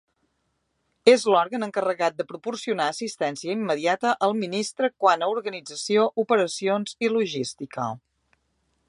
És l'òrgan encarregat de proporcionar assistència immediata al Ministre quant a organització, operacions i logística.